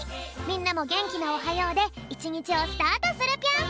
みんなもげんきな「おはよう」でいちにちをスタートするぴょん！